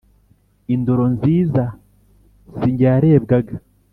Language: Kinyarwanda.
indoro nziza si njye yarebwaga,